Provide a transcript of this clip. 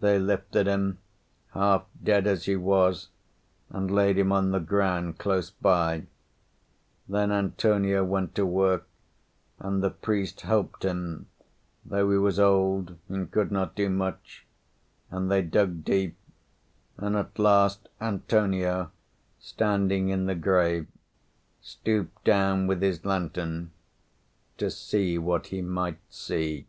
They lifted him, half dead as he was, and laid him on the ground close by; then Antonio went to work, and the priest helped him, though he was old and could not do much; and they dug deep, and at last Antonio, standing in the grave, stooped down with his lantern to see what he might see.